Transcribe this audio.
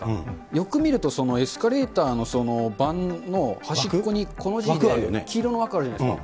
よく見るとエスカレーターの端っこに、この黄色い枠があるじゃないですか。